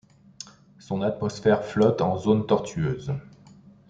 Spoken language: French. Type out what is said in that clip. Son atmosphère flotte en zones tortueuses.